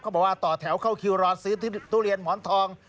บอกว่าต่อแถวเข้าคิวรอซื้อที่ทุเรียนหมอนทอง